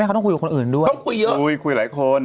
เหอะเขาต้องคุยกับคนอื่นด้วย